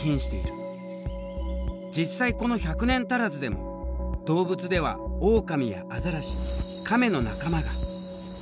実際この１００年足らずでも動物ではオオカミやアザラシカメの仲間が。